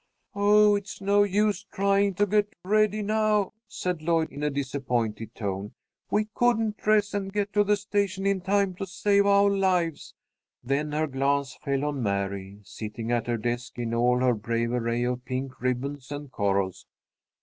"Oh, it's no use trying to get ready now," said Lloyd, in a disappointed tone. "We couldn't dress and get to the station in time to save ou' lives." Then her glance fell on Mary, sitting at her desk in all her brave array of pink ribbons and corals.